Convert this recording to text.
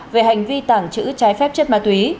về hành vi tàng trữ trái phép chất ma túy